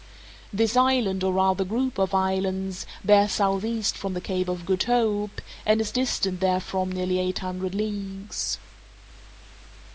This island, or rather group of islands, bears southeast from the Cape of Good Hope, and is distant therefrom nearly eight hundred leagues.